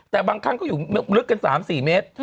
แต่บางครั้งก็อยู่ลึกกัน๓๔เมตร